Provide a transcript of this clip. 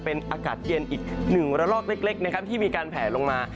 เป็นอากาศเย็นอีก๑ระลอกเล็กนะครับที่มีการแผลลงมา